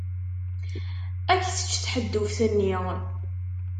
Ad k-tečč tḥedduft-nni.